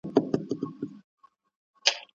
ځيني خلګ د پخوانيو پاليسيو ملاتړ کوي.